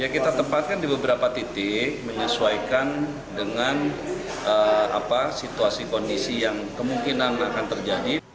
kita tempatkan di beberapa titik menyesuaikan dengan situasi kondisi yang kemungkinan akan terjadi